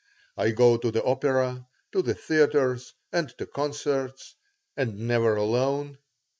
I go to the opera, to the theaters, and to concerts, and never alone.